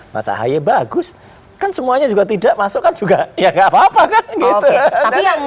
mas ahaye bagus kan semuanya juga tidak masuk kan juga ya gak apa apa kan gitu